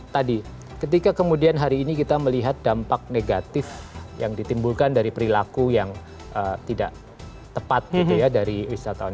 tadi ketika kemudian hari ini kita melihat dampak negatif yang ditimbulkan dari perilaku yang tidak tepat gitu ya dari wisatawan